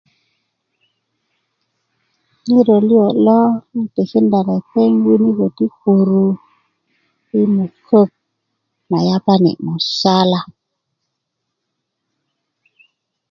ŋiro liyo' lo 'n tikinda lepeŋ winikö ti kuru i mukök na yapani musala